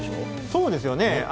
そうですよね。